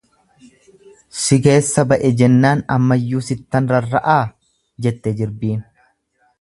"""Si keessa ba'e jennaan ammayyuu sittan rarra'aa"" jette jirbiin."